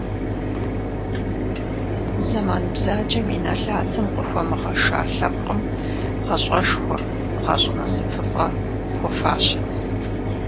Зэман бзаджэм и нэлатым къыхуэмыгъэша лъэпкъым гъащӀэшхуэ, гъащӀэ насыпыфӀэ хуэфащэт.